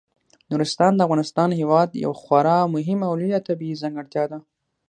نورستان د افغانستان هیواد یوه خورا مهمه او لویه طبیعي ځانګړتیا ده.